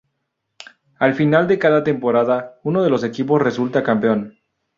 Al final de cada temporada, uno de los equipos resulta campeón.